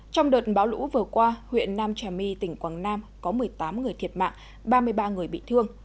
trong đợt bão lũ vừa qua huyện nam trà my tỉnh quảng nam có một mươi tám người thiệt mạng ba mươi ba người bị thương